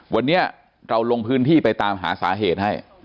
วันนี้เราลงพื้นที่ไปตามหาสาเหตุให้